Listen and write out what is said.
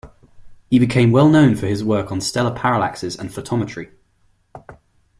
He became well known for his work on stellar parallaxes and photometry.